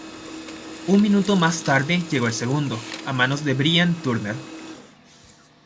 Un minuto más tarde llegó el segundo, a manos de Brian Turner.